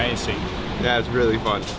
ya sangat menyenangkan